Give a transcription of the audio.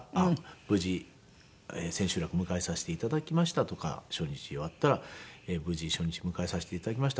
「無事千秋楽迎えさせて頂きました」とか初日終わったら「無事初日迎えさせて頂きました。